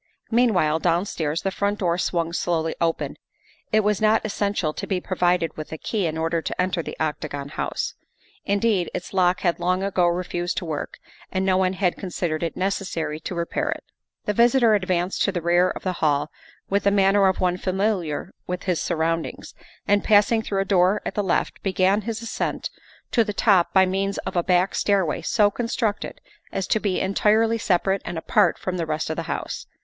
Meanwhile downstairs the front door swung slowly open; it was not essential to be provided with a key in order to enter the Octagon House. Indeed, its lock had long ago refused to work and no one had considered it necessary to repair it. THE SECRETARY OF STATE 159 The visitor advanced to the rear of the hall with the manner of one familiar with his surroundings, and, passing through a door at the left, began his ascent to the top by means of a back stairway so constructed as to be entirely separate and apart from the rest of the house.